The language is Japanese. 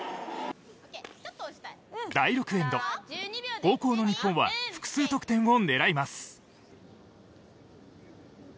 第６エンド、後攻の日本は複数得点を狙います。